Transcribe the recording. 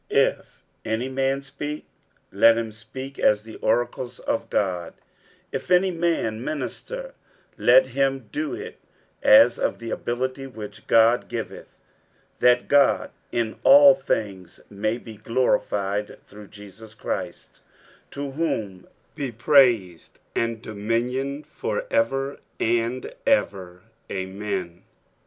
60:004:011 If any man speak, let him speak as the oracles of God; if any man minister, let him do it as of the ability which God giveth: that God in all things may be glorified through Jesus Christ, to whom be praise and dominion for ever and ever. Amen.